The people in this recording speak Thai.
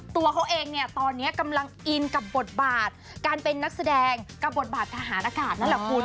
ตัวเขาเองเนี่ยตอนนี้กำลังอินกับบทบาทการเป็นนักแสดงกับบทบาททหารอากาศนั่นแหละคุณ